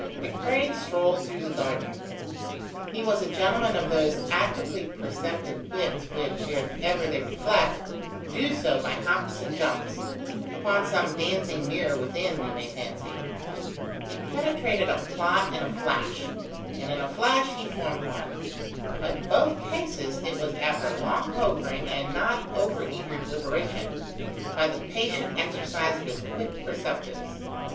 De Craye strolled through the garden. He was a gentleman of those actively perceptive wits which, if ever they reflect, do so by hops and jumps: upon some dancing mirror within, we may fancy. He penetrated a plot in a flash; and in a flash he formed one; but in both cases, it was after long hovering and not over eager deliberation, by the patient exercise of his quick perceptives.